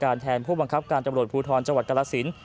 แทนผู้บังคับการตำรวจภูทรจังหวัดกรสิน